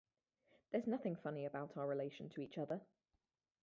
There's nothing funny about our relation to each other.